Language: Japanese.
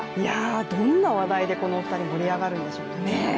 どんな話題でこのお二人盛り上がるんでしょうか。